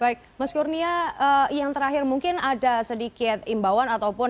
baik mas kurnia yang terakhir mungkin ada sedikit imbauan ataupun